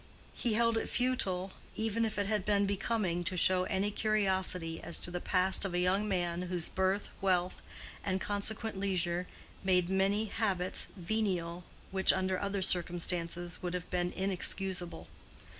He held it futile, even if it had been becoming, to show any curiosity as to the past of a young man whose birth, wealth, and consequent leisure made many habits venial which under other circumstances would have been inexcusable.